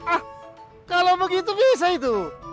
ah kalau begitu bisa itu